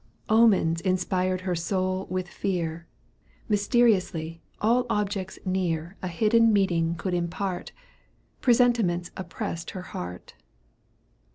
Omens inspired her soul with fear, Mysteriously all objects near A hidden meaning could impart, Presentiments oppressed her heart.